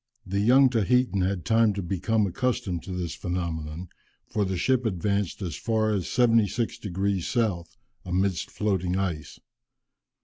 The young Tahitan had time to become accustomed to this phenomenon, for the ship advanced as far as 76 degrees south, amidst floating ice.